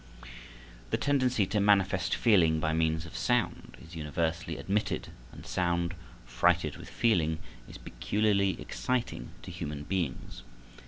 The tendency to manifest feeling by means of sound is universally admitted, and sound, freighted with feeling, is peculiarly exciting to human beings.